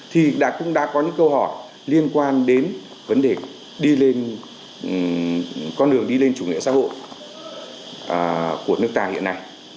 thì cũng đã có những câu hỏi liên quan đến vấn đề con đường đi lên chủ nghĩa xã hội của nước ta hiện nay